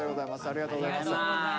ありがとうございます。